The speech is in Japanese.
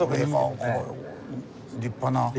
こう立派な。